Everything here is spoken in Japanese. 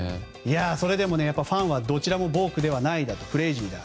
それでもファンはどちらもボークではないクレイジーだと。